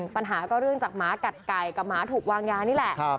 ปัญหาก็เรื่องจากหมากัดไก่กับหมาถูกวางยานี่แหละ